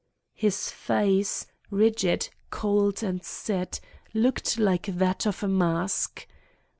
His face, rigid, cold, and set, looked like that of a mask.